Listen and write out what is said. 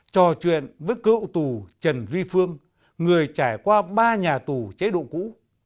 trò chuyện với cựu tù trần duy phương người trải qua ba nhà tù chế độ cũ